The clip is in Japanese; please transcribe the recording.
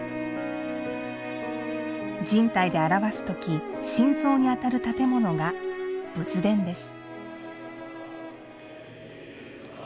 人体で表すとき、心臓に当たる建物が仏殿です。